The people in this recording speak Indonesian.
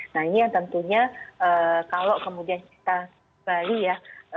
nah ini yang tentunya kalau kemudian kita bali ya